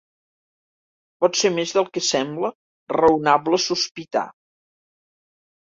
Pot ser més del que sembla raonable sospitar.